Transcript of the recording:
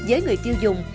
với người tiêu dùng